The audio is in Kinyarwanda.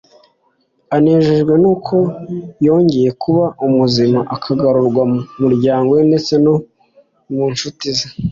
Anejejwe nuko yongcye kuba muzima akagarurwa mu muryango we ndetse no mu nshuti ze,